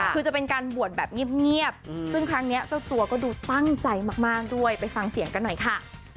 คือจะเป็นการบวชแบบเงียบซึ่งครั้งนี้เจ้าตัวก็ดูตั้งใจมากด้วยไปฟังเสียงกันหน่อยค่ะ